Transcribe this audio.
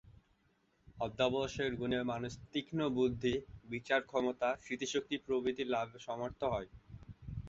অধ্যবসায়ের গুণে মানুষ তীঘ্ন বুদ্ধি, বিচার ক্ষমতা, স্মৃতিশক্তি প্রভৃতি লাভে সামর্থ হয়।